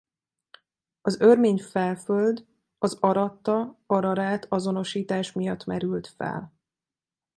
Az Örmény-felföld az Aratta–Ararát azonosítás miatt merült fel.